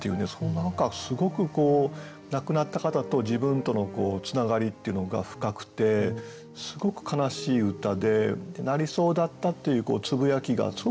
何かすごく亡くなった方と自分とのつながりっていうのが深くてすごく悲しい歌で「なりそうだった」っていうつぶやきがすごく何かね